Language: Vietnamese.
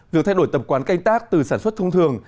việc thay đổi tập quán canh tác từ sản xuất thông thường